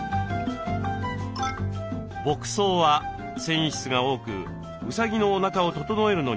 牧草は繊維質が多くうさぎのおなかを整えるのに大切なもの。